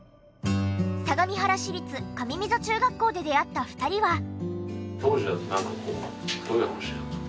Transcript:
相模原市立上溝中学校で出会った２人は。